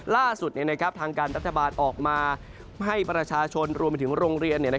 ล่าสุดทางการรัฐบาลออกมาให้ประชาชนรวมไปถึงโรงเรียน